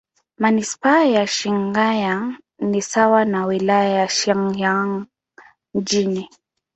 Manisipaa ya Shinyanga ni sawa na Wilaya ya Shinyanga Mjini.